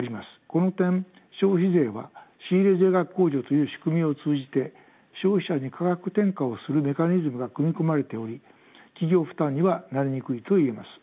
この点消費税は仕入税額控除という仕組みを通じて消費者に価格転嫁をするメカニズムが組み込まれており企業負担にはなりにくいと言えます。